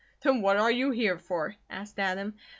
"Then what are you here for?" asked Adam.